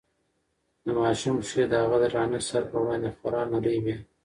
د ماشوم پښې د هغه د درانه سر په وړاندې خورا نرۍ وې.